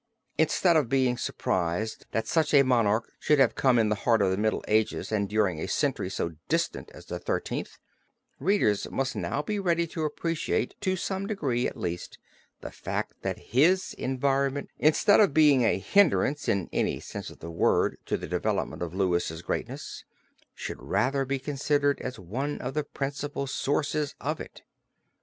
Instead of being surprised that such a monarch should have come in the heart of the Middle Ages and during a century so distant as the Thirteenth, readers must now be ready to appreciate to some degree at least the fact, that his environment instead of being a hindrance in any sense of the word to the development of Louis' greatness, should rather be considered as one of the principal sources of it.